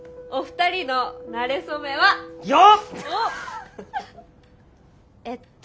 お二人のなれ初めは？よっ！